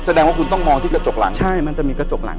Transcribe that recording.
แสดงว่าคุณต้องมองที่กระจกหลังใช่มันจะมีกระจกหลัง